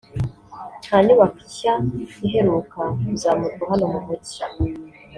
nta nyubako nsha iheruka kuzamurwa hano mu mujyi